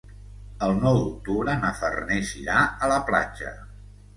El nou d'octubre na Farners irà a la platja.